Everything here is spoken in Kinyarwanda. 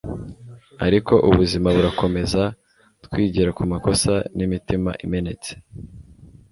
ariko ubuzima burakomeza, twigira kumakosa n'imitima imenetse